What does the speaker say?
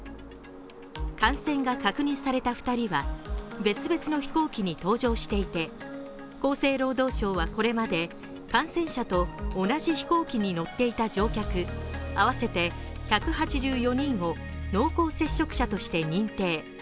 感染が確認された２人は、別々の飛行機に搭乗していて厚生労働省はこれまで感染者と同じ飛行機に乗っていた乗客合わせて１８４人を濃厚接触者として認定。